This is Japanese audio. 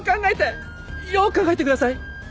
よく考えてください。